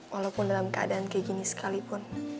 walaupun dalam keadaan kayak gini sekalipun